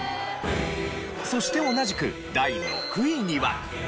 そして同じく第６位には。